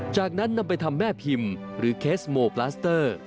จากนั้นนำไปทำแม่พิมพ์หรือเคสโมปลาสเตอร์